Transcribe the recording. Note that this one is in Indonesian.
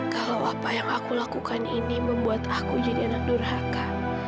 kalau apa yang aku lakukan ini membuat aku jadi anak durhaka